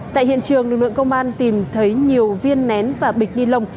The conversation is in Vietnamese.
tại hiện trường lực lượng công an tìm thấy nhiều viên nén và bịch ni lông